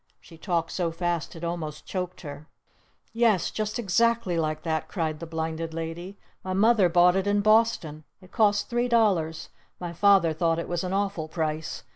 She talked so fast it almost choked her! "Yes! Just exactly like that!" cried the Blinded Lady. "My Mother bought it in Boston! It cost three dollars! My Father thought it was an awful price!